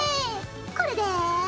これで。